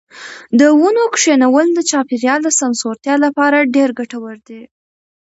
د ونو کښېنول د چاپیریال د سمسورتیا لپاره ډېر ګټور دي.